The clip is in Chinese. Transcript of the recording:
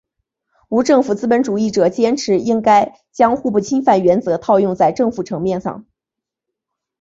无政府资本主义者坚持应该将互不侵犯原则套用在政府层面上。